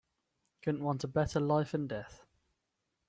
Couldn't want a better life and death.